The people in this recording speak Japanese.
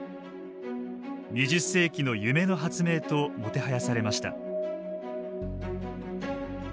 ２０世紀の夢の発明ともてはやされました。